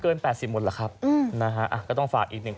เกินแปดสิบหมดหรอครับอืมนะฮะอ่ะก็ต้องฝากอีกหนึ่ง